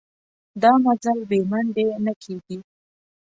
دا مزل بې منډې نه کېږي.